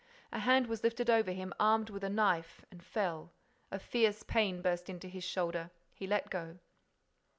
A hand was lifted over him, armed with a knife, and fell. A fierce pain burst into his shoulder. He let go.